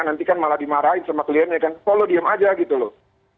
nanti kan malah dimarahin sama kliennya kan kalau lo diem aja gitu loh